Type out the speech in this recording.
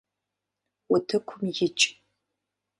Утыкум икӏ.